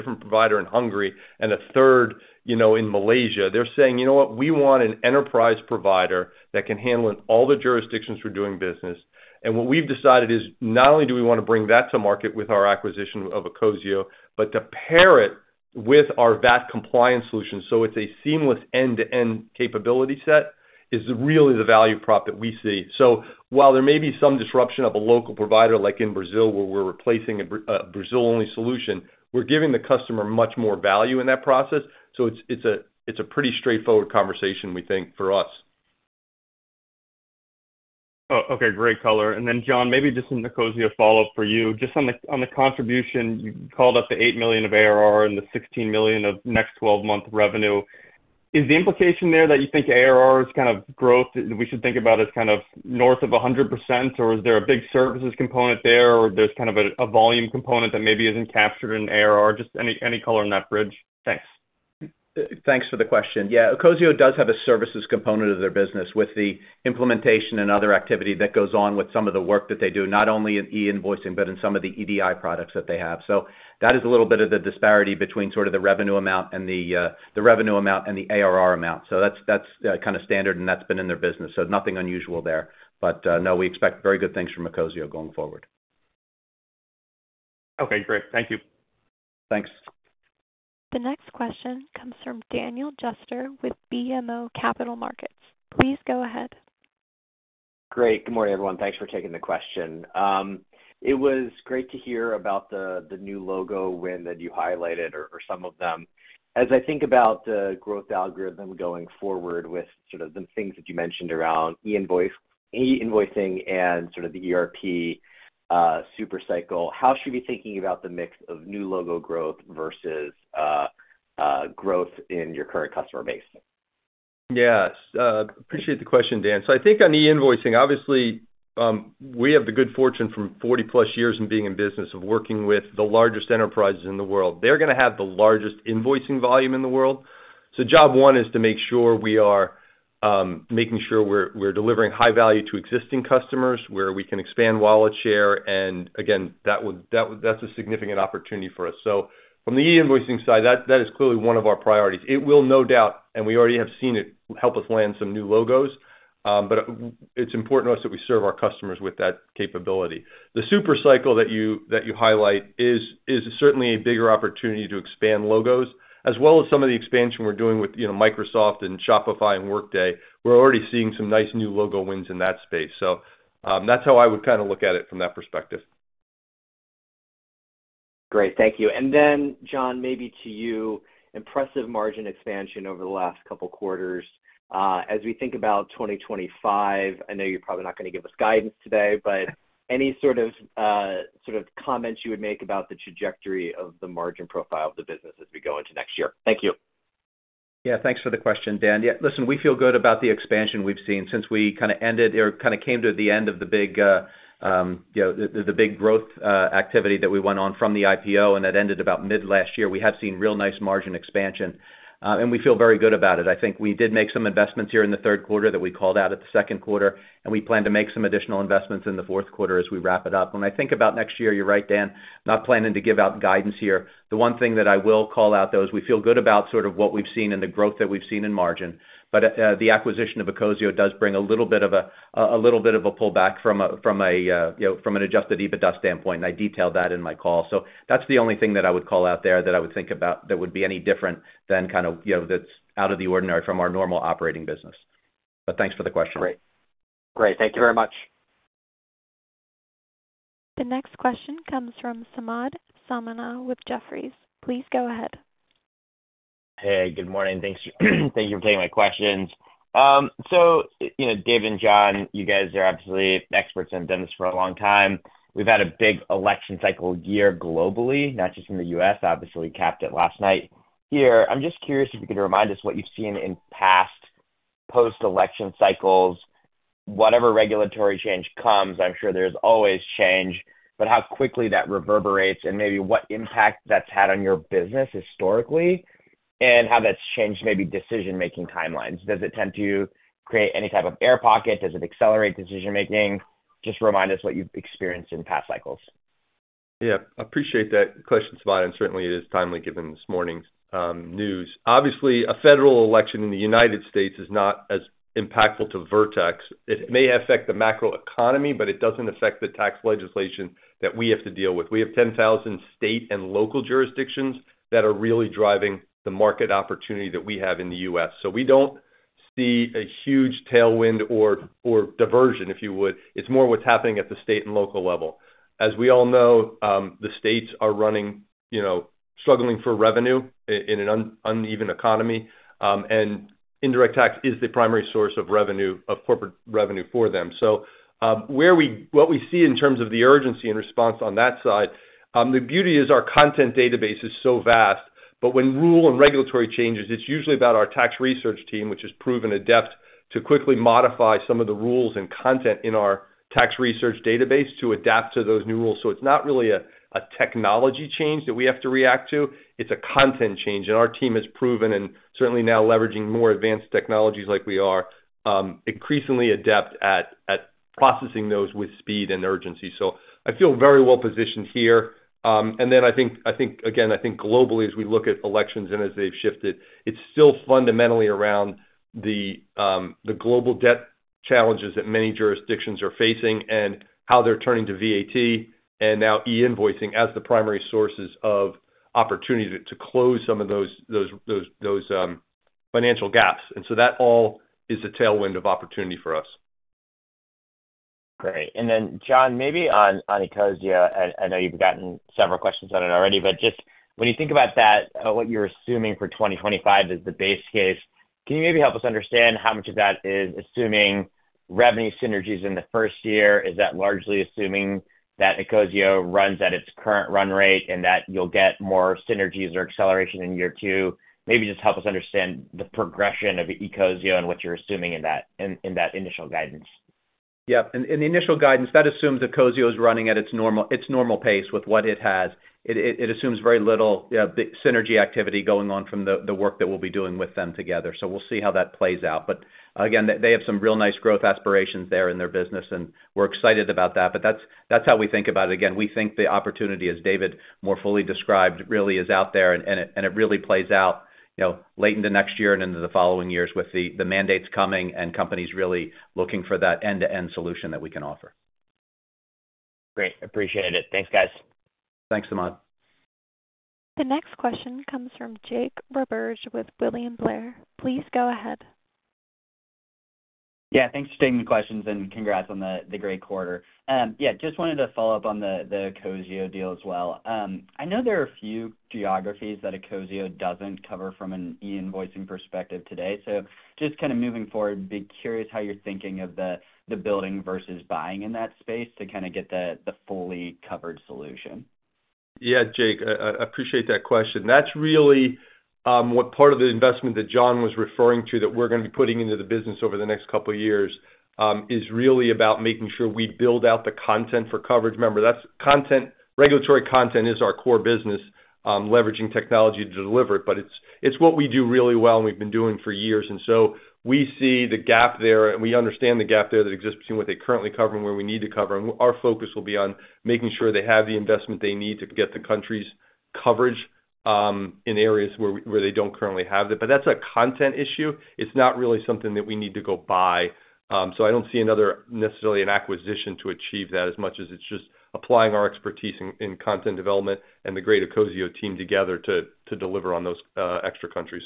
a different provider in Hungary and a third in Malaysia, they're saying, "You know what? We want an enterprise provider that can handle all the jurisdictions for doing business." And what we've decided is not only do we want to bring that to market with our acquisition of Ecosio, but to pair it with our VAT compliance solution so it's a seamless end-to-end capability set is really the value prop that we see. So while there may be some disruption of a local provider like in Brazil where we're replacing a Brazil-only solution, we're giving the customer much more value in that process. So it's a pretty straightforward conversation, we think, for us. Okay. Great color. And then, John, maybe just in the Ecosio follow-up for you, just on the contribution, you called up the $8 million of ARR and the $16 million of next 12-month revenue. Is the implication there that you think ARR is kind of growth that we should think about as kind of north of 100%, or is there a big services component there, or there's kind of a volume component that maybe isn't captured in ARR? Just any color on that bridge. Thanks. Thanks for the question. Yeah. Ecosio does have a services component of their business with the implementation and other activity that goes on with some of the work that they do, not only in e-invoicing, but in some of the EDI products that they have. So that is a little bit of the disparity between sort of the revenue amount and the revenue amount and the ARR amount. So that's kind of standard, and that's been in their business. So nothing unusual there. But no, we expect very good things from Ecosio going forward. Okay. Great. Thank you. Thanks . The next question comes from Daniel Jester with BMO Capital Markets. Please go ahead. Great. Good morning, everyone. Thanks for taking the question. It was great to hear about the new logo win that you highlighted or some of them. As I think about the growth algorithm going forward with sort of the things that you mentioned around e-invoicing and sort of the ERP supercycle, how should we be thinking about the mix of new logo growth versus growth in your current customer base? Yeah. Appreciate the question, Dan. I think on e-invoicing, obviously, we have the good fortune from 40-plus years of being in business of working with the largest enterprises in the world. They're going to have the largest invoicing volume in the world. Job one is to make sure we are making sure we're delivering high value to existing customers where we can expand wallet share. And again, that's a significant opportunity for us. From the e-invoicing side, that is clearly one of our priorities. It will no doubt, and we already have seen it help us land some new logos, but it's important to us that we serve our customers with that capability. The supercycle that you highlight is certainly a bigger opportunity to expand logos, as well as some of the expansion we're doing with Microsoft and Shopify and Workday. We're already seeing some nice new logo wins in that space. So that's how I would kind of look at it from that perspective. Great. Thank you. And then, John, maybe to you, impressive margin expansion over the last couple of quarters. As we think about 2025, I know you're probably not going to give us guidance today, but any sort of comments you would make about the trajectory of the margin profile of the business as we go into next year? Thank you. Yeah. Thanks for the question, Dan. Yeah. Listen, we feel good about the expansion we've seen since we kind of ended or kind of came to the end of the big growth activity that we went on from the IPO, and that ended about mid-last year. We have seen real nice margin expansion, and we feel very good about it. I think we did make some investments here in the third quarter that we called out at the second quarter, and we plan to make some additional investments in the fourth quarter as we wrap it up. When I think about next year, you're right, Dan, not planning to give out guidance here. The one thing that I will call out, though, is we feel good about sort of what we've seen and the growth that we've seen in margin, but the acquisition of Ecosio does bring a little bit of a pullback from an Adjusted EBITDA standpoint, and I detailed that in my call, so that's the only thing that I would call out there that I would think about that would be any different than kind of that's out of the ordinary from our normal operating business, but thanks for the question. Great. Great. Thank you very much. The next question comes from Samad Samana with Jefferies. Please go ahead. Hey, good morning. Thank you for taking my questions. So David and John, you guys are absolutely experts and have done this for a long time. We've had a big election cycle year globally, not just in the US. Obviously, we capped it last night here. I'm just curious if you could remind us what you've seen in past post-election cycles. Whatever regulatory change comes, I'm sure there's always change, but how quickly that reverberates and maybe what impact that's had on your business historically and how that's changed maybe decision-making timelines. Does it tend to create any type of air pocket? Does it accelerate decision-making? Just remind us what you've experienced in past cycles. Yeah. Appreciate that question, Samad. And certainly, it is timely given this morning's news. Obviously, a federal election in the United States is not as impactful to Vertex. It may affect the macroeconomy, but it doesn't affect the tax legislation that we have to deal with. We have 10,000 state and local jurisdictions that are really driving the market opportunity that we have in the U.S. So we don't see a huge tailwind or diversion, if you would. It's more what's happening at the state and local level. As we all know, the states are struggling for revenue in an uneven economy, and indirect tax is the primary source of corporate revenue for them. So what we see in terms of the urgency and response on that side, the beauty is our content database is so vast. But when rules and regulatory changes occur, it's usually about our tax research team, which has proven adept at quickly modifying some of the rules and content in our tax research database to adapt to those new rules. So it's not really a technology change that we have to react to. It's a content change. And our team has proven and certainly now leveraging more advanced technologies like we are increasingly adept at processing those with speed and urgency. So I feel very well positioned here. And then I think, again, I think globally, as we look at elections and as they've shifted, it's still fundamentally around the global debt challenges that many jurisdictions are facing and how they're turning to VAT and now e-invoicing as the primary sources of opportunity to close some of those financial gaps. And so that all is a tailwind of opportunity for us. Great. And then, John, maybe on Ecosio, I know you've gotten several questions on it already, but just when you think about that, what you're assuming for 2025 is the base case. Can you maybe help us understand how much of that is assuming revenue synergies in the first year? Is that largely assuming that Ecosio runs at its current run rate and that you'll get more synergies or acceleration in year two? Maybe just help us understand the progression of Ecosio and what you're assuming in that initial guidance. Yep. In the initial guidance, that assumes that Ecosio is running at its normal pace with what it has. It assumes very little synergy activity going on from the work that we'll be doing with them together. So we'll see how that plays out. But again, they have some real nice growth aspirations there in their business, and we're excited about that. But that's how we think about it. Again, we think the opportunity, as David more fully described, really is out there, and it really plays out late into next year and into the following years with the mandates coming and companies really looking for that end-to-end solution that we can offer. Great. Appreciate it. Thanks, guys. Thanks, Samad. The next question comes from Jake Roberge with William Blair. Please go ahead. Yeah. Thanks for taking the questions and congrats on the great quarter. Yeah. Just wanted to follow up on the Ecosio deal as well. I know there are a few geographies that Ecosio doesn't cover from an e-invoicing perspective today. So, just kind of moving forward, I'm curious how you're thinking of the building versus buying in that space to kind of get the fully covered solution. Yeah, Jake, I appreciate that question. That's really what part of the investment that John was referring to that we're going to be putting into the business over the next couple of years is really about making sure we build out the content for coverage. Remember, regulatory content is our core business, leveraging technology to deliver it, but it's what we do really well and we've been doing for years. And so we see the gap there, and we understand the gap there that exists between what they currently cover and where we need to cover. And our focus will be on making sure they have the investment they need to get the country's coverage in areas where they don't currently have it. But that's a content issue. It's not really something that we need to go buy. So I don't see necessarily an acquisition to achieve that as much as it's just applying our expertise in content development and the greater Ecosio team together to deliver on those extra countries.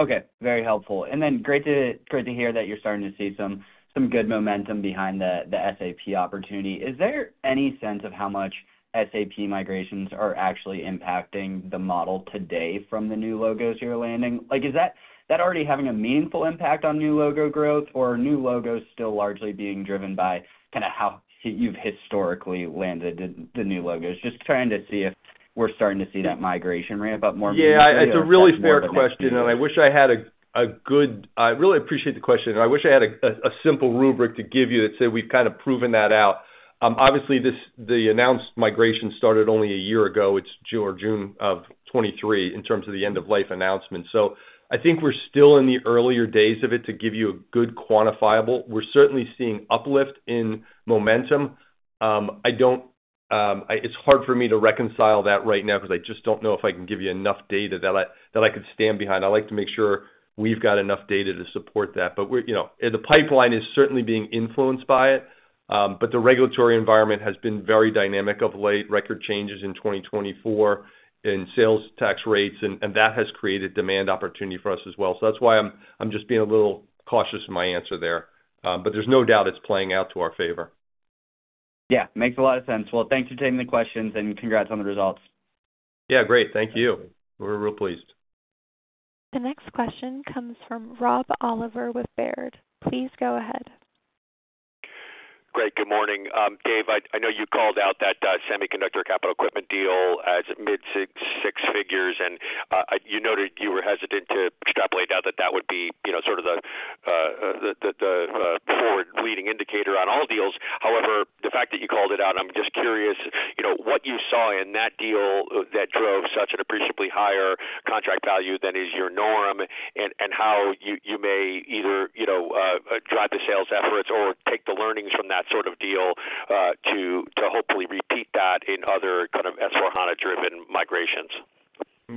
Okay. Very helpful. And then great to hear that you're starting to see some good momentum behind the SAP opportunity. Is there any sense of how much SAP migrations are actually impacting the model today from the new logos you're landing? Is that already having a meaningful impact on new logo growth or new logos still largely being driven by kind of how you've historically landed the new logos? Just trying to see if we're starting to see that migration ramp up more meaningfully. Yeah. It's a really fair question, and I wish I had a good I really appreciate the question. I wish I had a simple rubric to give you that said we've kind of proven that out. Obviously, the announced migration started only a year ago. It's June of 2023 in terms of the end-of-life announcement. So I think we're still in the earlier days of it to give you a good quantifiable. We're certainly seeing uplift in momentum. It's hard for me to reconcile that right now because I just don't know if I can give you enough data that I could stand behind. I'd like to make sure we've got enough data to support that. But the pipeline is certainly being influenced by it. But the regulatory environment has been very dynamic of late. Record changes in 2024 in sales tax rates, and that has created demand opportunity for us as well. So that's why I'm just being a little cautious in my answer there. But there's no doubt it's playing out to our favor. Yeah. Makes a lot of sense. Well, thanks for taking the questions and congrats on the results. Yeah. Great. Thank you. We're real pleased. The next question comes from Rob Oliver with Baird. Please go ahead. Great. Good morning. Dave, I know you called out that semiconductor capital equipment deal as mid-six figures, and you noted you were hesitant to extrapolate out that that would be sort of the forward-leading indicator on all deals. However, the fact that you called it out, I'm just curious what you saw in that deal that drove such an appreciably higher contract value than is your norm and how you may either drive the sales efforts or take the learnings from that sort of deal to hopefully repeat that in other kind of S/4HANA-driven migrations.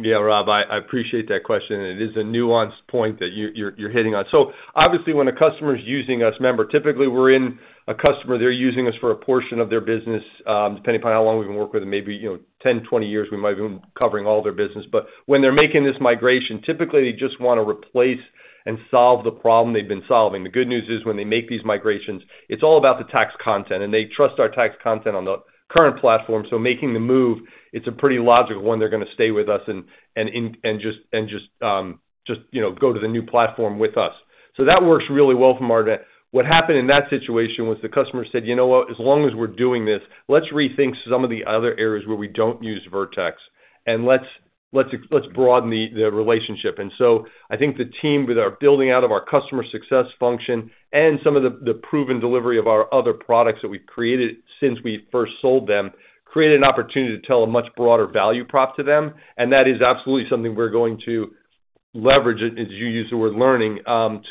Yeah, Rob, I appreciate that question. It is a nuanced point that you're hitting on. So obviously, when a customer is using us, remember, typically we're in a customer they're using us for a portion of their business, depending upon how long we've been working with them, maybe 10, 20 years, we might be covering all their business. But when they're making this migration, typically they just want to replace and solve the problem they've been solving. The good news is when they make these migrations, it's all about the tax content, and they trust our tax content on the current platform. So making the move, it's a pretty logical one they're going to stay with us and just go to the new platform with us. So that works really well from our end. What happened in that situation was the customer said, "You know what? As long as we're doing this, let's rethink some of the other areas where we don't use Vertex, and let's broaden the relationship." And so I think the team that are building out of our customer success function and some of the proven delivery of our other products that we've created since we first sold them created an opportunity to tell a much broader value prop to them. And that is absolutely something we're going to leverage, as you use the word learning,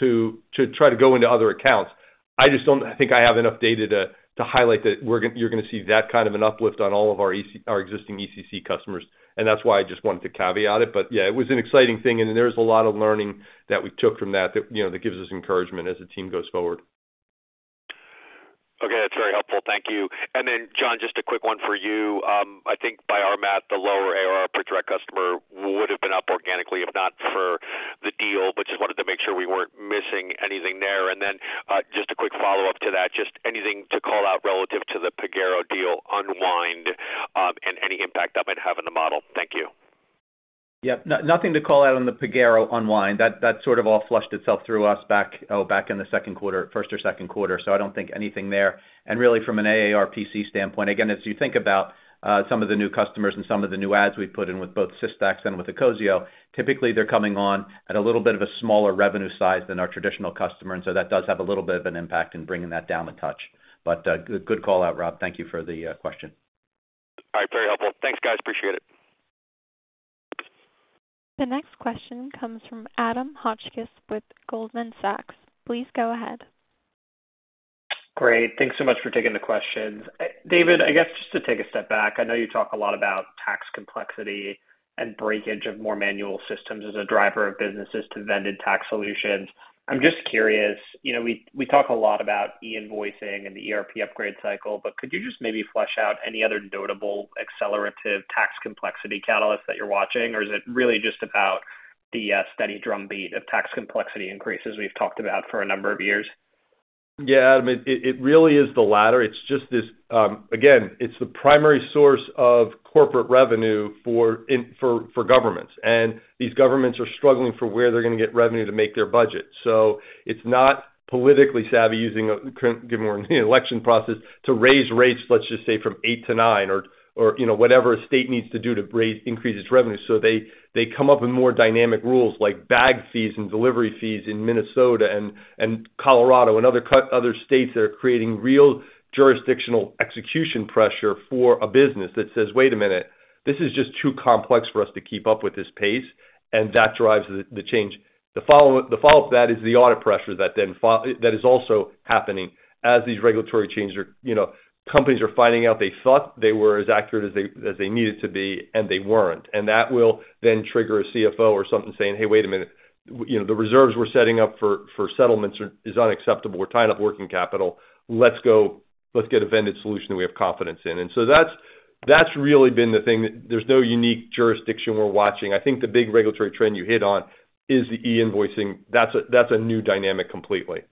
to try to go into other accounts. I just don't think I have enough data to highlight that you're going to see that kind of an uplift on all of our existing ECC customers. And that's why I just wanted to caveat it. Yeah, it was an exciting thing, and there's a lot of learning that we took from that that gives us encouragement as the team goes forward. Okay. That's very helpful. Thank you. And then, John, just a quick one for you. I think by our math, the lower ARR per direct customer would have been up organically, if not for the deal, but just wanted to make sure we weren't missing anything there. And then just a quick follow-up to that, just anything to call out relative to the Pagero deal unwind and any impact that might have on the model. Thank you. Yep. Nothing to call out on the Pagero unwind. That sort of all flushed itself through us back in the first or second quarter. So I don't think anything there. And really, from an AARPC standpoint, again, as you think about some of the new customers and some of the new adds we've put in with both Systax and with the Ecosio, typically they're coming on at a little bit of a smaller revenue size than our traditional customer. And so that does have a little bit of an impact in bringing that down a touch. But good call out, Rob. Thank you for the question. All right. Very helpful. Thanks, guys. Appreciate it. The next question comes from Adam Hotchkiss with Goldman Sachs. Please go ahead. Great. Thanks so much for taking the questions. David, I guess just to take a step back, I know you talk a lot about tax complexity and breakage of more manual systems as a driver of businesses to vended tax solutions. I'm just curious. We talk a lot about e-invoicing and the ERP upgrade cycle, but could you just maybe flesh out any other notable accelerative tax complexity catalysts that you're watching, or is it really just about the steady drumbeat of tax complexity increases we've talked about for a number of years? Yeah, Adam, it really is the latter. It's just this, again, it's the primary source of corporate revenue for governments. And these governments are struggling for where they're going to get revenue to make their budget. So it's not politically savvy using, given we're in the election process, to raise rates, let's just say, from eight to nine or whatever a state needs to do to increase its revenue. So they come up with more dynamic rules like bag fees and delivery fees in Minnesota and Colorado and other states that are creating real jurisdictional execution pressure for a business that says, "Wait a minute, this is just too complex for us to keep up with this pace," and that drives the change. The follow-up to that is the audit pressure that is also happening, as these regulatory changes. Companies are finding out they thought they were as accurate as they needed to be, and they weren't, and that will then trigger a CFO or something saying, "Hey, wait a minute. The reserves we're setting up for settlements is unacceptable. We're tying up working capital. Let's get a vended solution that we have confidence in," and so that's really been the thing. There's no unique jurisdiction we're watching. I think the big regulatory trend you hit on is the e-invoicing. That's a new dynamic completely.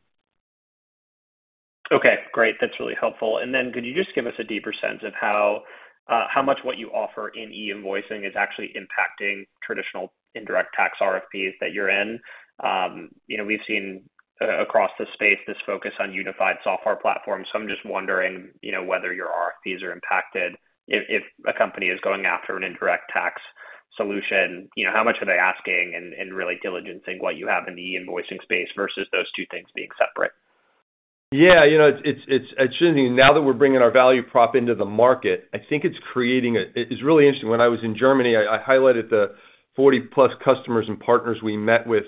Okay. Great. That's really helpful. And then could you just give us a deeper sense of how much what you offer in e-invoicing is actually impacting traditional indirect tax RFPs that you're in? We've seen across the space this focus on unified software platforms. So I'm just wondering whether your RFPs are impacted if a company is going after an indirect tax solution. How much are they asking and really diligencing what you have in the e-invoicing space versus those two things being separate? Yeah. It's interesting. Now that we're bringing our value prop into the market, I think it's creating, it's really interesting. When I was in Germany, I highlighted the 40-plus customers and partners we met with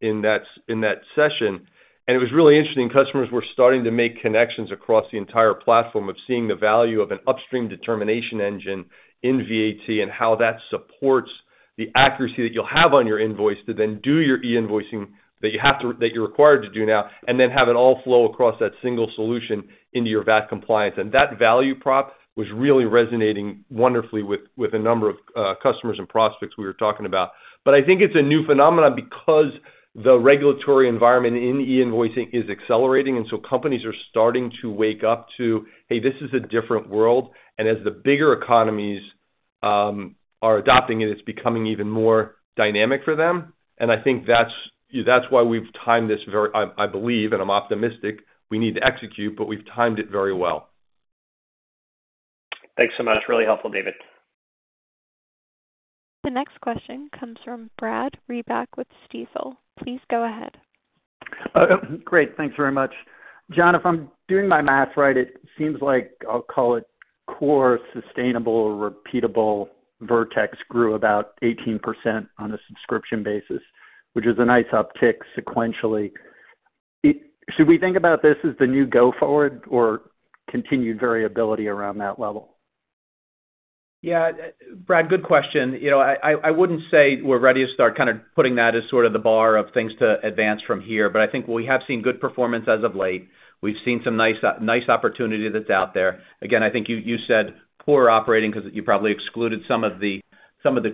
in that session. And it was really interesting. Customers were starting to make connections across the entire platform of seeing the value of an upstream determination engine in VAT and how that supports the accuracy that you'll have on your invoice to then do your e-invoicing that you're required to do now and then have it all flow across that single solution into your VAT compliance. And that value prop was really resonating wonderfully with a number of customers and prospects we were talking about. But I think it's a new phenomenon because the regulatory environment in e-invoicing is accelerating. And so companies are starting to wake up to, "Hey, this is a different world." And as the bigger economies are adopting it, it's becoming even more dynamic for them. And I think that's why we've timed this very—I believe, and I'm optimistic—we need to execute, but we've timed it very well. Thanks so much. Really helpful, David. The next question comes from Brad Reback with Stifel. Please go ahead. Great. Thanks very much. John, if I'm doing my math right, it seems like I'll call it core sustainable repeatable Vertex grew about 18% on a subscription basis, which is a nice uptick sequentially. Should we think about this as the new go-forward or continued variability around that level? Yeah. Brad, good question. I wouldn't say we're ready to start kind of putting that as sort of the bar of things to advance from here. But I think we have seen good performance as of late. We've seen some nice opportunity that's out there. Again, I think you said core operating because you probably excluded some of the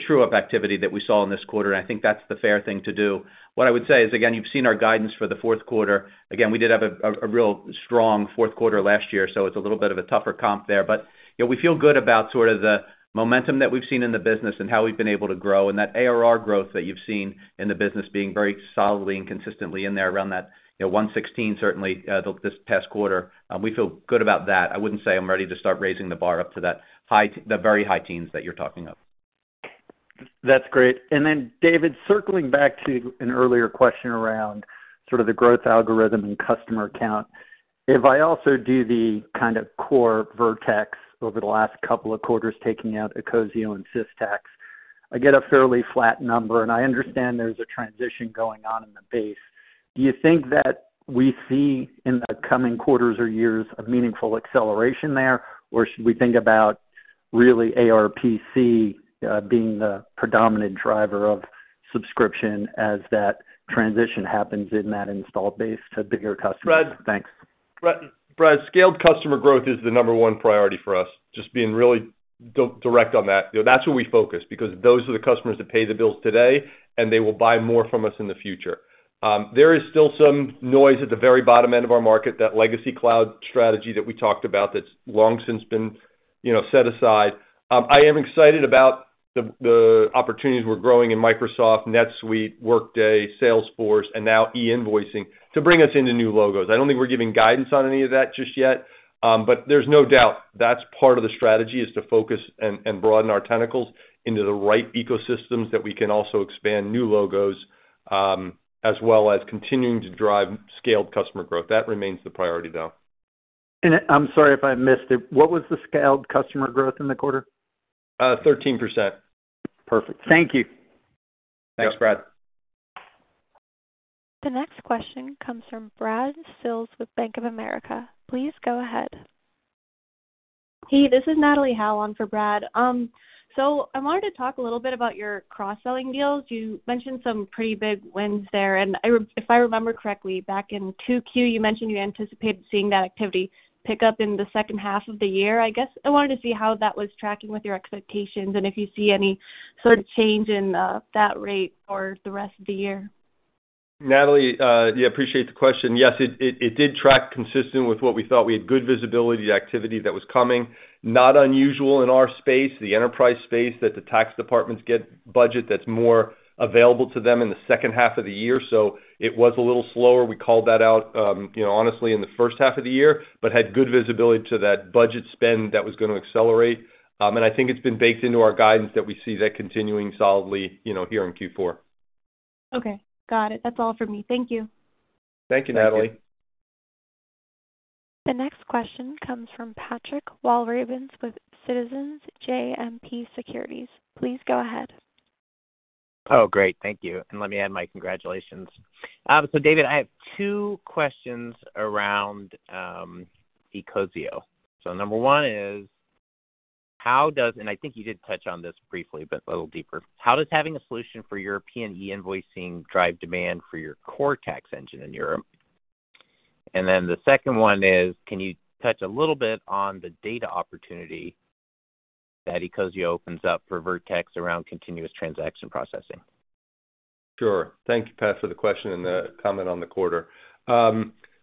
true-up activity that we saw in this quarter. And I think that's the fair thing to do. What I would say is, again, you've seen our guidance for the fourth quarter. Again, we did have a real strong fourth quarter last year, so it's a little bit of a tougher comp there. But we feel good about sort of the momentum that we've seen in the business and how we've been able to grow and that ARR growth that you've seen in the business being very solidly and consistently in there around that 11.6, certainly, this past quarter. We feel good about that. I wouldn't say I'm ready to start raising the bar up to the very high teens that you're talking of. That's great. Then, David, circling back to an earlier question around sort of the growth algorithm and customer count, if I also do the kind of core Vertex over the last couple of quarters taking out Ecosio and Systax, I get a fairly flat number. I understand there's a transition going on in the base. Do you think that we see in the coming quarters or years a meaningful acceleration there, or should we think about really ARPC being the predominant driver of subscription as that transition happens in that installed base to bigger customers? Thanks. Brad, scaled customer growth is the number one priority for us. Just being really direct on that. That's what we focus because those are the customers that pay the bills today, and they will buy more from us in the future. There is still some noise at the very bottom end of our market, that legacy cloud strategy that we talked about that's long since been set aside. I am excited about the opportunities we're growing in Microsoft, NetSuite, Workday, Salesforce, and now e-invoicing to bring us into new logos. I don't think we're giving guidance on any of that just yet. But there's no doubt that's part of the strategy is to focus and broaden our tentacles into the right ecosystems that we can also expand new logos as well as continuing to drive scaled customer growth. That remains the priority, though. And I'm sorry if I missed it. What was the scaled customer growth in the quarter? 13%. Perfect. Thank you. Thanks, Brad. The next question comes from Brad Sills with Bank of America. Please go ahead. Hey, this is Natalie Hanlon for Brad. So I wanted to talk a little bit about your cross-selling deals. You mentioned some pretty big wins there, and if I remember correctly, back in Q2, you mentioned you anticipated seeing that activity pick up in the second half of the year. I guess I wanted to see how that was tracking with your expectations and if you see any sort of change in that rate for the rest of the year. Natalie, yeah, appreciate the question. Yes, it did track consistent with what we thought. We had good visibility to activity that was coming. Not unusual in our space, the enterprise space, that the tax departments get budget that's more available to them in the second half of the year, so it was a little slower. We called that out, honestly, in the first half of the year, but had good visibility to that budget spend that was going to accelerate. And I think it's been baked into our guidance that we see that continuing solidly here in Q4. Okay. Got it. That's all for me. Thank you. Thank you, Natalie. The next question comes from Patrick Walravens with Citizens JMP Securities. Please go ahead. Oh, great. Thank you. And let me add my congratulations. So, David, I have two questions around the Ecosio. So number one is, how does, and I think you did touch on this briefly, but a little deeper, how does having a solution for European e-invoicing drive demand for your core tax engine in Europe? And then the second one is, can you touch a little bit on the data opportunity that Ecosio opens up for Vertex around continuous transaction processing? Sure. Thank you, Pat, for the question and the comment on the quarter,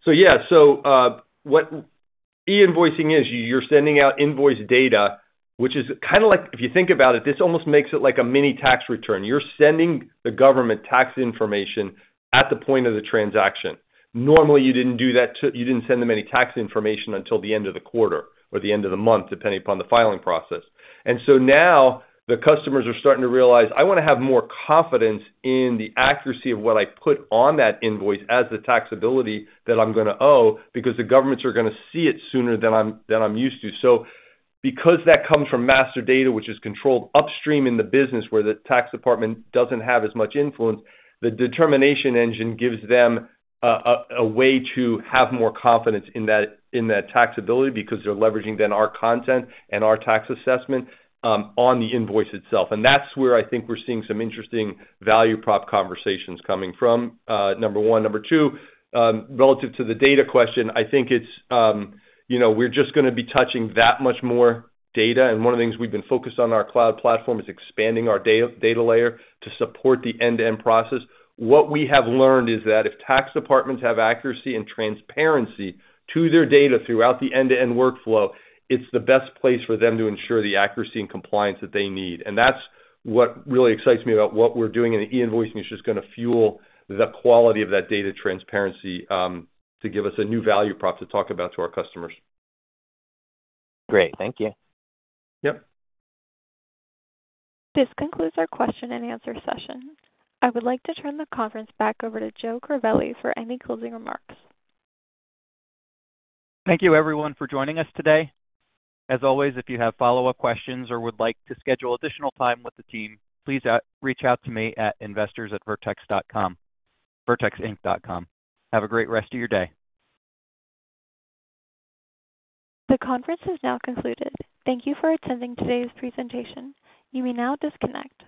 so yeah, so what e-invoicing is, you're sending out invoice data, which is kind of like, if you think about it, this almost makes it like a mini tax return. You're sending the government tax information at the point of the transaction. Normally, you didn't do that. You didn't send them any tax information until the end of the quarter or the end of the month, depending upon the filing process. And so now the customers are starting to realize, "I want to have more confidence in the accuracy of what I put on that invoice as the taxability that I'm going to owe because the governments are going to see it sooner than I'm used to." So because that comes from master data, which is controlled upstream in the business where the tax department doesn't have as much influence, the determination engine gives them a way to have more confidence in that taxability because they're leveraging then our content and our tax assessment on the invoice itself. And that's where I think we're seeing some interesting value prop conversations coming from. Number one. Number two, relative to the data question, I think it's that we're just going to be touching that much more data. And one of the things we've been focused on in our cloud platform is expanding our data layer to support the end-to-end process. What we have learned is that if tax departments have accuracy and transparency to their data throughout the end-to-end workflow, it's the best place for them to ensure the accuracy and compliance that they need. And that's what really excites me about what we're doing in the e-invoicing is just going to fuel the quality of that data transparency to give us a new value prop to talk about to our customers. Great. Thank you. Yep. This concludes our question and answer session. I would like to turn the conference back over to Joe Crivelli for any closing remarks. Thank you, everyone, for joining us today. As always, if you have follow-up questions or would like to schedule additional time with the team, please reach out to me at investors@vertex.com, vertexinc.com. Have a great rest of your day. The conference has now concluded. Thank you for attending today's presentation. You may now disconnect.